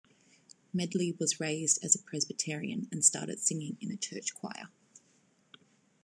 Medley was raised as a Presbyterian and started singing in a church choir.